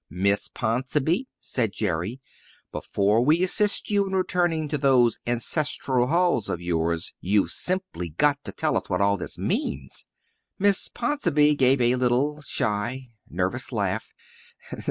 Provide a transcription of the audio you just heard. "Miss Ponsonby," said Jerry, "before we assist you in returning to those ancestral halls of yours you've simply got to tell us what all this means." Miss Ponsonby gave a little, shy, nervous laugh.